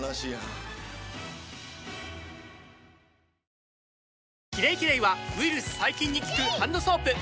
この後さらに「キレイキレイ」はウイルス・細菌に効くハンドソープ！